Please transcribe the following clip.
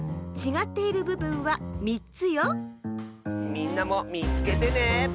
みんなもみつけてね。